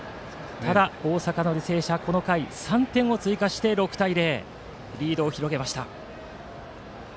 ただ、大阪の履正社この回３点を追加して６対０とリードを広げました。